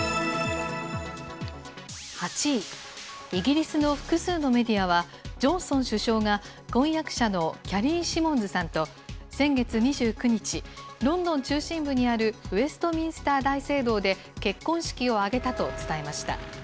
８位、イギリスの複数のメディアは、ジョンソン首相が婚約者のキャリー・シモンズさんと、先月２９日、ロンドン中心部にあるウェストミンスター大聖堂で結婚式を挙げたと伝えました。